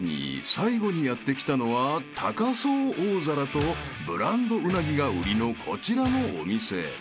最後にやって来たのは高そう大皿とブランドウナギが売りのこちらのお店］